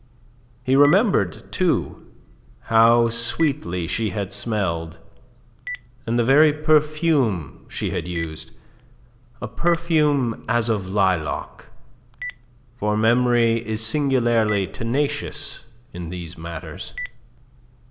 He remembered, too, how sweetly she had smelled and the very perfume she had used, a perfume as of lilac for memory is singularly tenacious in these matters.